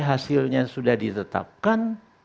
hasilnya sudah ditetapkan